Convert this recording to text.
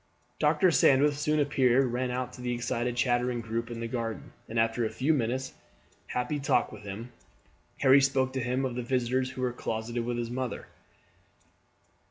Dr. Sandwith soon afterwards ran out to the excited chattering group in the garden, and after a few minutes' happy talk with him, Harry spoke to him of the visitors who were closeted with his mother.